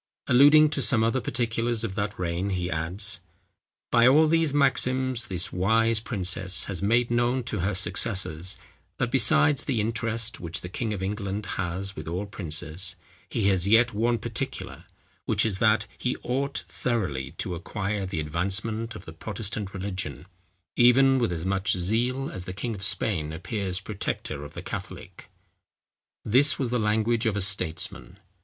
Alluding to some other particulars of that reign he adds:—"By all these maxims, this wise princess has made known to her successors that besides the interest which the king of England has with all princes, he has yet one particular, which is that, he ought thoroughly to acquire the advancement of the Protestant religion, even with as much zeal as the King of Spain appears protector of the Catholic." This was the language of a statesman.